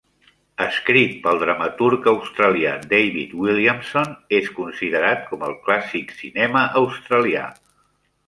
Escrit pel dramaturg australià David Williamson, és considerat com el clàssic cinema australià.